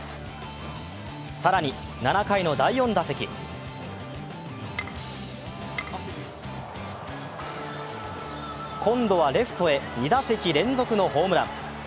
更に７回の第４打席今度はレフトへ、２打席連続のホームラン。